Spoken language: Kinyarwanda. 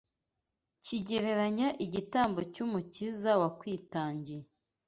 kigereranya igitambo cy’Umukiza watwitangiye